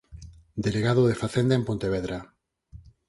Delegado de Facenda en Pontevedra.